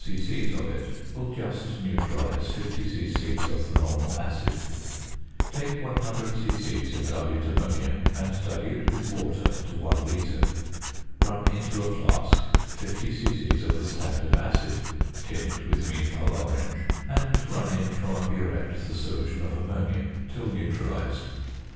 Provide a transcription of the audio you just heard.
c. of it will just neutralise 50 c.c. of the normal "acid." Take 100 c.c. of dilute ammonia and dilute with water to one litre. Run into a flask 50 c.c. of the standard "acid," tint with methyl orange, and run in from a burette the solution of ammonia till neutralised.